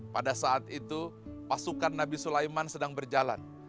pada saat itu pasukan nabi sulaiman sedang berjalan